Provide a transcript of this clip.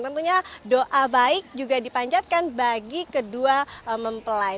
tentunya doa baik juga dipanjatkan bagi kedua mempelai